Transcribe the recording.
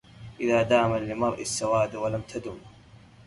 إذا دام للمرء السواد ولم تدم